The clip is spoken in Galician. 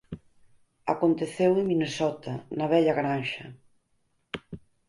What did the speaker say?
Aconteceu en Minnesota, na vella granxa.